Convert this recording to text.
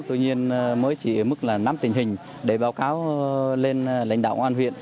tuy nhiên mới chỉ ở mức năm tình hình để báo cáo lên lãnh đạo an huyện